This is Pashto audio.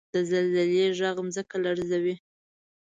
• د زلزلې ږغ ځمکه لړزوي.